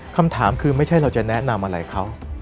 คำถามคือไม่ใช่เราจะแนะนำอะไรเขา